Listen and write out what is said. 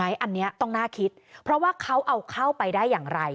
อันนี้ต้องน่าคิดเพราะว่าเขาเอาเข้าไปได้อย่างไร